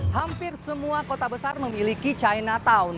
hampir semua kota besar memiliki chinatown